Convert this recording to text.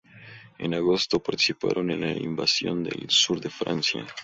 En agosto participaron en la Invasión del sur de Francia.